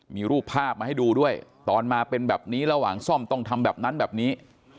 มีรูปภาพมาให้ดูด้วยตอนมาเป็นแบบนี้ระหว่างซ่อมต้องทำแบบนั้นแบบนี้